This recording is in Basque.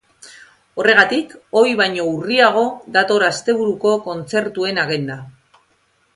Horregatik, ohi baino urriago dator asteburuko kontzertuen agenda.